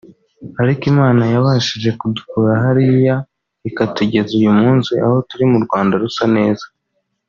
ariko Imana yabashije kudukura hariya ikatugeza uyu munsi aho turi mu Rwanda rusa neza